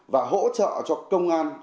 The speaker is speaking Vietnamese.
và hỗ trợ cho công an